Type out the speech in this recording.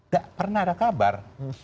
karena pernah ada kabar